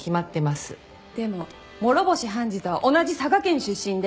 でも諸星判事とは同じ佐賀県出身で。